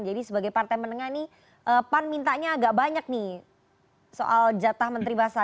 jadi sebagai partai menengah ini pan mintanya agak banyak nih soal jatah menteri basa